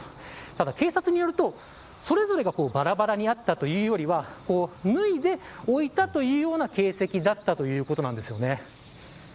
ただ、警察によるとそれぞれがばらばらにあったというよりは脱いで置いたというような形跡だったということなんですよね。